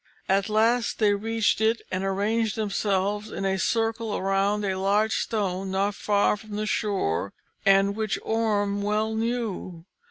At last they reached it, and arranged themselves in a circle around a large stone not far from the shore, and which Orm well knew.